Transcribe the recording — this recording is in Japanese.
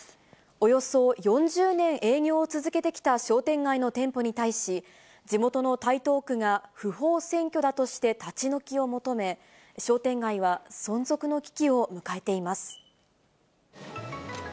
およそ４０年営業を続けてきた商店街の店舗に対し、地元の台東区が不法占拠だとして立ち退きを求め、商店街は存続の危機を迎えています。